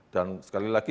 dan sekali lagi